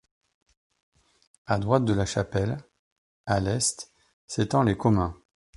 À droite de la chapelle, à l'est, s'étendent les communs.